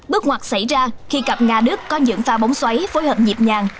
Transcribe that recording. bước ngoặt xảy ra khi cặp nga đức có những pha bóng xoáy phối hợp nhịp nhàng